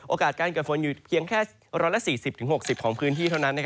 การเกิดฝนอยู่เพียงแค่๑๔๐๖๐ของพื้นที่เท่านั้น